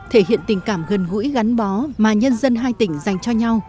thể hiện tình cảm gần gũi gắn bó mà nhân dân hai tỉnh dành cho nhau